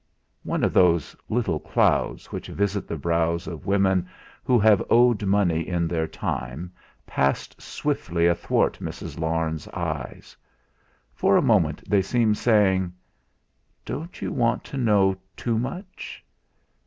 One of those little clouds which visit the brows of women who have owed money in their time passed swiftly athwart Mrs. Larne's eyes. For a moment they seemed saying: 'Don't you want to know too much?'